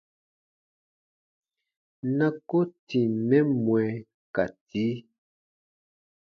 Na ko tìm mɛ mwɛ ka tii.